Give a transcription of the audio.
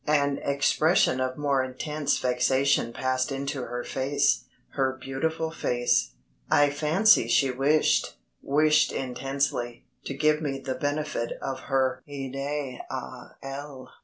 An expression of more intense vexation passed into her face her beautiful face. I fancy she wished wished intensely to give me the benefit of her "idée à elle."